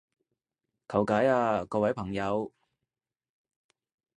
求解啊各位朋友